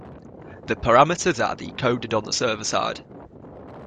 The parameters are decoded on the server side.